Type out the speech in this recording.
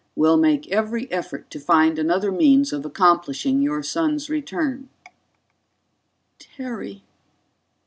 Will make every effort to find another means of accomplishing your son's return._ Terry!